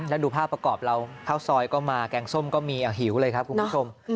แล้วดูภาพประกอบเราข้าวซอยก็มาแกงส้มก็มีหิวเลยครับคุณผู้ชม